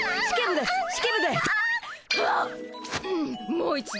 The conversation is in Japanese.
もう一度。